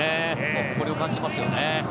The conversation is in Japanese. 誇りを感じますよね。